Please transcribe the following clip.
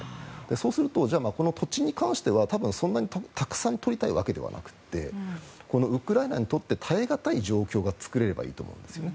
そうすると土地に関しては多分、そんなにたくさん取りたいわけではなくてウクライナにとって耐えがたい状態が作れればいいと思うんですね。